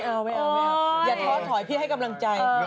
โอ๊ย